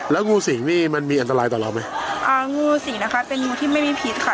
แล้วงูสิงนี่มันมีอันตรายต่อเราไหมอ่างูสิงนะคะเป็นงูที่ไม่มีพิษค่ะ